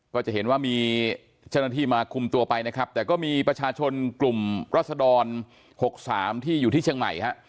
ก็จะเห็นว่ามีเจ้าหน้าที่มาคุมตัวไปนะครับแต่ก็มีประชาชนกลุ่มรัศดร๖๓ที่อยู่ที่เชียงใหม่ฮะ